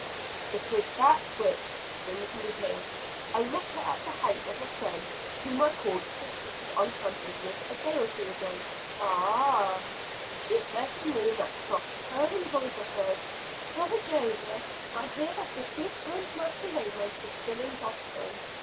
"It is that which brings me here. I met her at the house of a friend whom I called to see on some business a day or two ago." "Ah!" "She said to me, in that soft purring voice of hers, 'Brother Joseph, I hear that your good friend Master Raymond is still in Boston.'